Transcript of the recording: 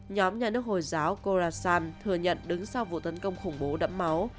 nhóm nhà nước hồi giáo korasan thừa nhận đứng sau vụ tấn công khủng bố đẫm máu